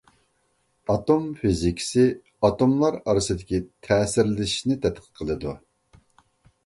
ئاتوم فىزىكىسى ئاتوملار ئارىسىدىكى تەسىرلىشىشنى تەتقىق قىلىدۇ.